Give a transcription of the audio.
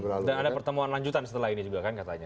dan ada pertemuan lanjutan setelah ini juga kan katanya